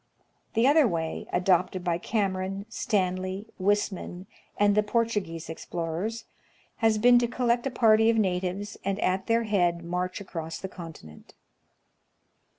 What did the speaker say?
The other way, adopted by Cameron, Stanley, Wissmann, and the Portuguese explorers, has been to collect a party of natives, and at their head march across the continent.